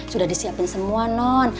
sudah disiapin semua non